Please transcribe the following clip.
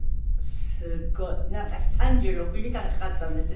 すごい！３６時間かかったんですって？